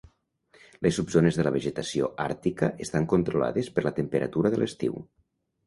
Les subzones de la vegetació àrtica estan controlades per la temperatura de l'estiu.